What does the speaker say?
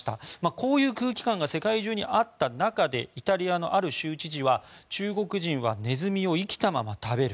こういう空気感が世界中にあった中でイタリアのある州知事は中国人はネズミを生きたまま食べる。